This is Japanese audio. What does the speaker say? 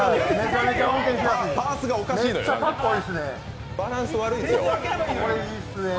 パースがおかしいのよ、バランスが悪いですね。